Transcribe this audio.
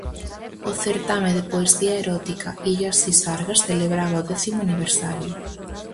O certame de poesía erótica Illas Sisargas celebraba o décimo aniversario.